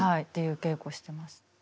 っていう稽古してます。